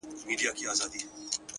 • د خندا جنازه ولاړه غم لړلې,